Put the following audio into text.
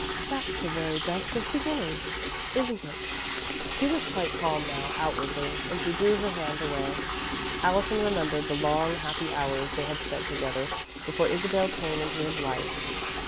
"That's the very best of beginnings, isn't it?" She was quite calm now, outwardly, and she drew her hand away. Allison remembered the long, happy hours they had spent together before Isabel came into his life.